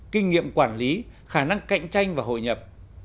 kinh nghiệm quản lý khả năng cạnh tranh và hội nhập